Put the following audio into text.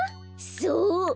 そう！